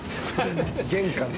玄関で。